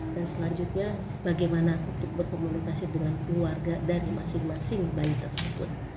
dan selanjutnya bagaimana untuk berkomunikasi dengan keluarga dan masing masing bayi tersebut